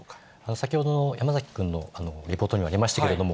先ほどの山崎君のリポートにもありましたけれども、